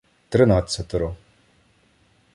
Тринадцятеро